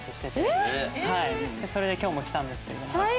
それで今日も来たんですけど。